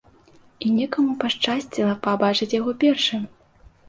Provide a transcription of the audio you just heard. І некаму пашчасціла пабачыць яго першым!